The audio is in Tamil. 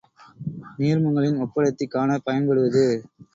நீர்மங்களின் ஒப்படர்த்தி காணப் பயன்படுவது.